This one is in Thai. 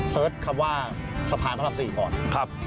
สิ้นคำว่าสะพานพระราม๔ก่อนครับ